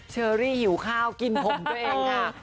เชอรี่หิวข้าวกินผมตัวเองค่ะ